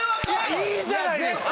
いいじゃないですか！